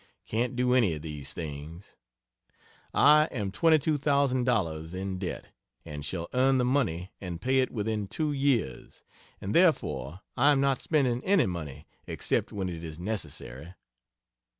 Can't do any of these things. I am twenty two thousand dollars in debt, and shall earn the money and pay it within two years and therefore I am not spending any money except when it is necessary.